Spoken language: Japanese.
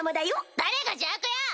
誰が邪悪よ！